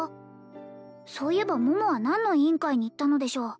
そういえば桃は何の委員会に行ったのでしょう？